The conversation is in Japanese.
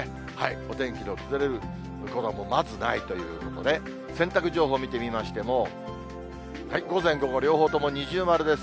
お天気の崩れることがまずないということで、洗濯情報を見てみましても、午前、午後両方とも二重丸です。